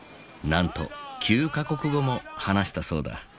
なんと９か国語も話したそうだ。